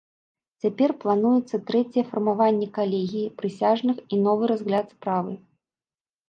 Цяпер плануецца трэцяе фармаванне калегіі прысяжных і новы разгляд справы.